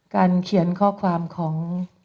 เขียนข้อความของ